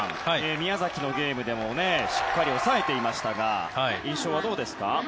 宮崎のゲームでもしっかり抑えていましたが印象はどうですか？